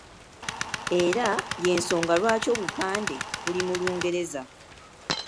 Era y'ensonga lwaki obupande buli mu Lungereza.